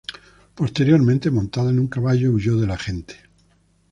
Posteriormente, montando en un caballo huyó de la gente.